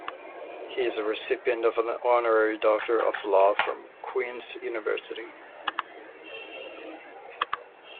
He is a recipient of an Honorary Doctor of Law from Queen's University.